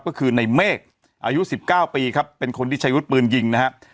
ก็คือในเมฆอายุ๑๙ปีครับเป็นคนที่ใช้วุฒิปืนยิงนะครับ